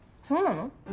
そうなの？